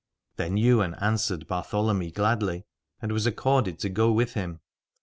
Then Ywain answered Bartholomy gladly, and was ac corded to go with him.